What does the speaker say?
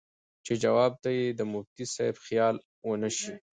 چې جواب ته ئې د مفتي صېب خيال ونۀ شۀ